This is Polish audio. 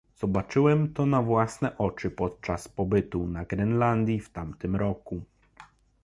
Zobaczyłem to na własne oczy podczas pobytu na Grenlandii w tamtym roku